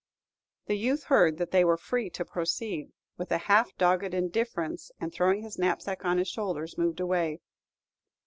The youth heard that they were free to proceed, with a half dogged indifference, and throwing his knapsack on his shoulders, moved away.